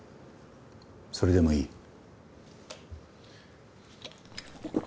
それでもいい？